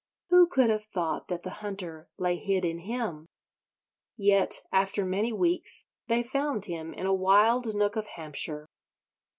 Who could have thought that the Hunter lay hid in him? Yet, after many weeks, they found him in a wild nook of Hampshire.